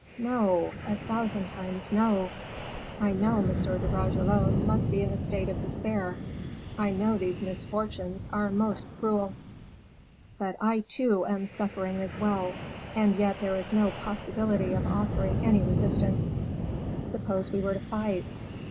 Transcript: No! a thousand times no! I know M. de Bragelonne must be in a state of despair; I know these misfortunes are most cruel. But I, too, am suffering as well; and yet there is no possibility of offering any resistance. Suppose we were to fight?